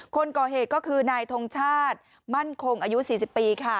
คนก่อเหตุก็คือนายทงชาติมั่นคงอายุ๔๐ปีค่ะ